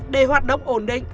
để hoạt động ổn định